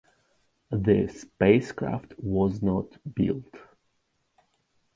The spacecraft was not built.